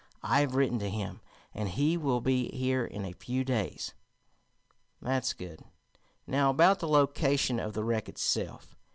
I have written to him, and he will be here in a few days." "That's good. Now about the location of the wreck itself.